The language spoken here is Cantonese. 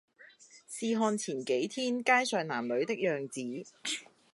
試看前幾天街上男女的樣子，